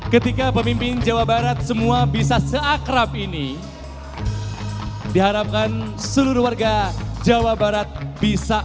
ketika pemimpin jawa barat semua bisa seakrab ini diharapkan seluruh warga jawa barat bisa